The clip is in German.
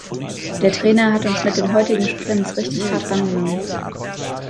Der Trainer hat uns mit den heutigen Sprints richtig hart rangenommen.